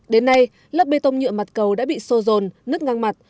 đến nay lớp bê tông nhựa mặt cầu đã bị sô rồn nứt ngang mặt